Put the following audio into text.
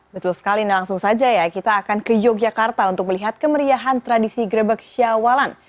betul sekali nah langsung saja ya kita akan ke yogyakarta untuk melihat kemeriahan tradisi grebek syawalan